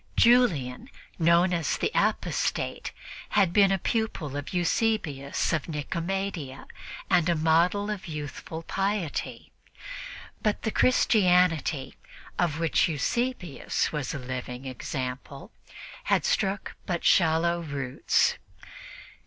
Julian, known as "the Apostate," had been a pupil of Eusebius of Nicomedia and a model of youthful piety; but the Christianity of which Eusebius was a living example had struck but shallow roots.